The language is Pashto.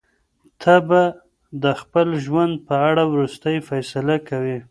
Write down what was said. ته به د خپل ژوند په اړه وروستۍ فیصله کوې.